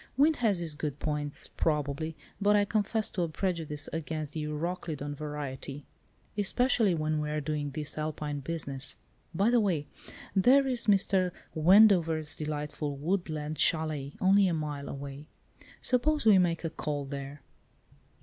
Wind has its good points, probably, but I confess to a prejudice against the Euroclydon variety. Especially when we are doing this Alpine business. By the way, there is Mr. Wendover's delightful woodland châlet—only a mile away. Suppose we make a call there."